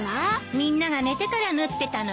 みんなが寝てから縫ってたのよ。